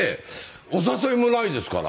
お誘いもないですから。